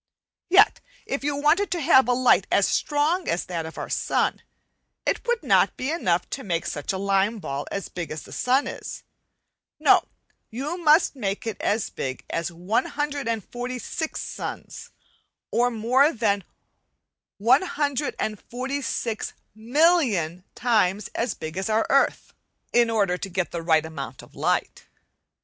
Yet if you wanted to have a light as strong as that of our sun, it would not be enough to make such a lime ball as big as the sun is. No, you must make it as big as 146 suns, or more than 146,000,000 times as big as our earth, in order to get the right amount of light.